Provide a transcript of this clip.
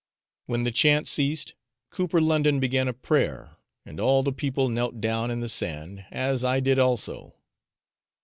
When the chant ceased, cooper London began a prayer, and all the people knelt down in the sand, as I did also.